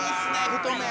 太麺！」